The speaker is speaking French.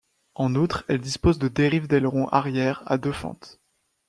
En outre, elle dispose de dérives d'aileron arrière à deux fentes.